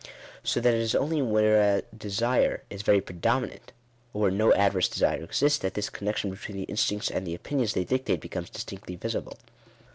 So that it is only where a desire is very predominant, or where no adverse desire exists, that this connection between the instincts and the opinions they dictate, becomes distinctly visible.